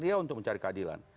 bukan untuk mencari keadilan